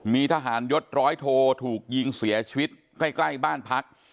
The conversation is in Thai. มีทหารยศร้อยโทถูกยิงเสียชีวิตใกล้บ้านพัก